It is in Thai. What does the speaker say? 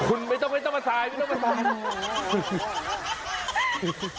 คุณไม่ต้องมาสายไม่ต้องมาสาย